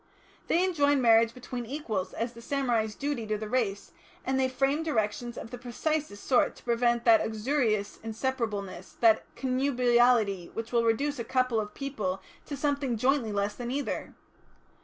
They enjoined marriage between equals as the samurai's duty to the race, and they framed directions of the precisest sort to prevent that uxorious inseparableness, that connubiality which will reduce a couple of people to something jointly less than either.